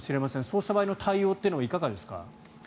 そうした場合の対応はいかがですか。